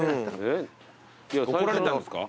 怒られたんすか？